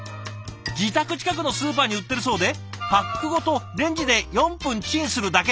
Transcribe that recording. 自宅近くのスーパーに売ってるそうでパックごとレンジで４分チンするだけ。